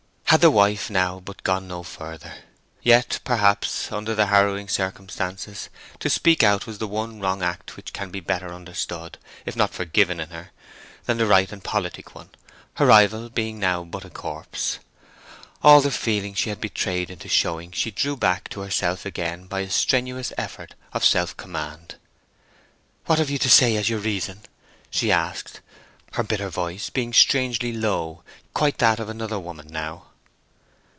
Had the wife now but gone no further. Yet, perhaps, under the harrowing circumstances, to speak out was the one wrong act which can be better understood, if not forgiven in her, than the right and politic one, her rival being now but a corpse. All the feeling she had been betrayed into showing she drew back to herself again by a strenuous effort of self command. "What have you to say as your reason?" she asked, her bitter voice being strangely low—quite that of another woman now.